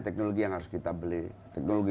teknologi yang harus kita beli teknologi